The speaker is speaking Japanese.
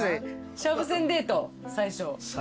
しゃぶ禅デート最初。